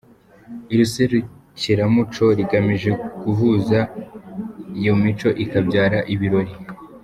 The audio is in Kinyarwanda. Iri serukiramuco rigamije guhuza iyo mico ikabyara ibirori.